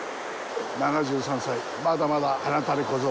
７３歳、まだまだはな垂れ小僧。